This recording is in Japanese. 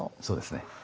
そうですね。